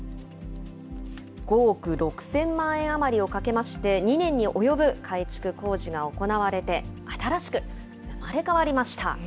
５億６０００万円余りをかけまして、２年に及ぶ改築工事が行われて、新しく生まれ変わりました。